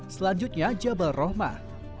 selanjutnya jabal rohmah